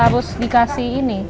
habis dikasih ini